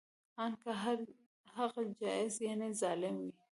ان که هغه جائر یعنې ظالم وي